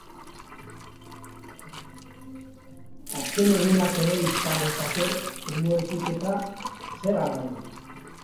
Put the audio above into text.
Azken egunak ere izan lezake umoretik eta, zer arraio!